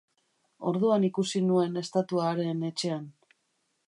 Orduan ikusi nuen estatua haren etxean.